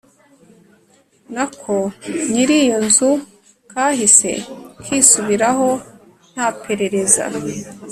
nako nyiri iyo nzu, kahise kisubiraho nta perereza